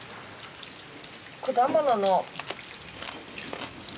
果物の。